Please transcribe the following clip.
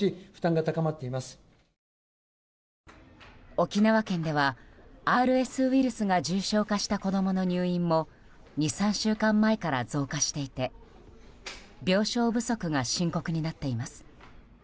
沖縄県では、ＲＳウイルスが重症化した子供の入院も２３週間前から増加していて病床不足が深刻になっています。